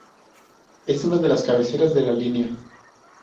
Es una de las cabeceras de la línea.